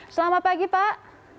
selamat pagi pak